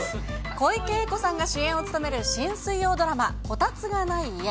小池栄子さんが主演を務める、新水曜ドラマ、コタツがない家。